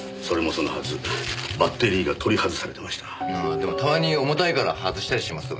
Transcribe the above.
でもたまに重たいから外したりしますよね。